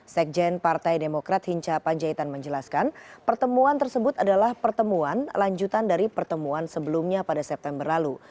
sekjen partai demokrat hinca panjaitan menjelaskan pertemuan tersebut adalah pertemuan lanjutan dari pertemuan sebelumnya pada september lalu